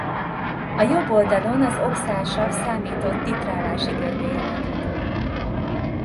A jobb oldalon az oxálsav számított titrálási görbéje látható.